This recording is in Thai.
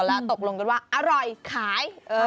แล้วตกลงกันว่าอร่อยขาย